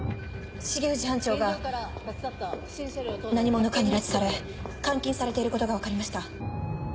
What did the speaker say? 重藤班長が何者かに拉致され監禁されていることが分かりました。